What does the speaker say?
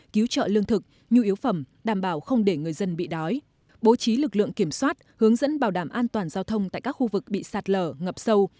cứu trợ lương thực nhu yếu phẩm đảm bảo không để người dân bị đói bố trí lực lượng kiểm soát hướng dẫn bảo đảm an toàn giao thông tại các khu vực bị sạt lở ngập sâu